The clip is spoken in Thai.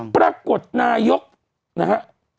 ปรากฏนายกนะฮะ